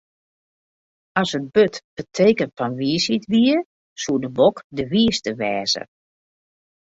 As it burd it teken fan wysheid wie, soe de bok de wiiste wêze.